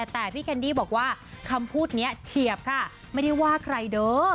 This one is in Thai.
แต่พี่แคนดี้บอกว่าคำพูดนี้เฉียบค่ะไม่ได้ว่าใครเด้อ